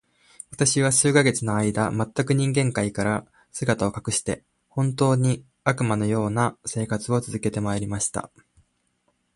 私は数ヶ月の間、全く人間界から姿を隠して、本当に、悪魔の様な生活を続けて参りました。